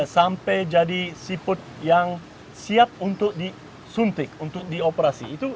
sampai jadi siput yang siap untuk disuntik untuk dioperasi